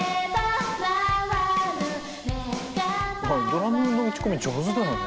ドラムの打ち込み上手だよね。